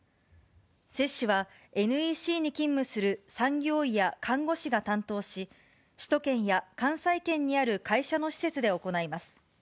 接種はＮＥＣに勤務する産業医や看護師が担当し、首都圏や関西圏にある会社の施設で行います。